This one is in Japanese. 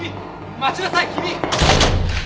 待ちなさい君！